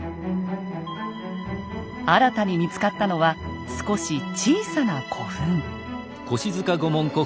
新たに見つかったのは少し小さな古墳。